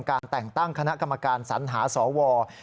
การแต่งตั้งคณะกรรมการสัญหาสว